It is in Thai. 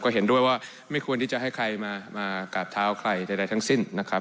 เห็นด้วยว่าไม่ควรที่จะให้ใครมากราบเท้าใครใดทั้งสิ้นนะครับ